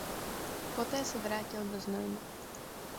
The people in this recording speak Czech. Poté se vrátil do Znojma.